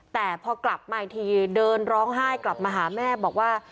แต่พอกลับมาอีกทีเดินร้องไห้กลับมาหาแม่บอกว่า